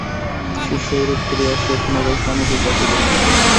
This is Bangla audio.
শিষ্য ঐরূপ করিয়া আসিয়া পুনরায় স্বামীজীর কাছে বসিল।